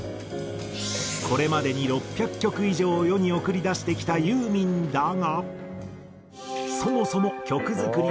これまでに６００曲以上を世に送り出してきたユーミンだが。